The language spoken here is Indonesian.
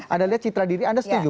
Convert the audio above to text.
anda lihat citra diri anda setuju